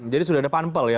jadi sudah ada panpel ya